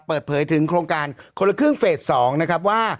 เปิดเผยถึงโครงการคนละครึ่งเฟส๒นะครับว่า